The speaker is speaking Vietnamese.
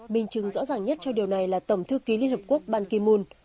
bình chứng rõ ràng nhất cho điều này là tổng thư ký liên hợp quốc ban ki moon